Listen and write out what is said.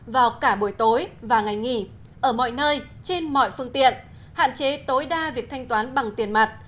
vào cả buổi tối và ngày nghỉ ở mọi nơi trên mọi phương tiện hạn chế tối đa việc thanh toán bằng tiền mặt